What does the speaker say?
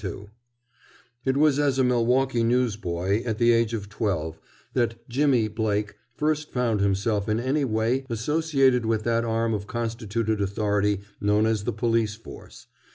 II It was as a Milwaukee newsboy, at the age of twelve, that "Jimmie" Blake first found himself in any way associated with that arm of constituted authority known as the police force.